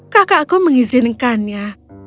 kakak aku mengizinkannya